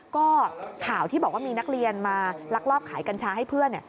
ก็ข่าวที่บอกว่ามีนักเรียนมาลักลอบขายกัญชาให้เพื่อน